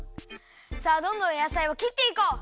さあどんどんやさいをきっていこう！